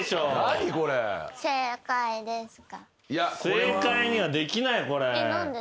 正解にはできないこれ。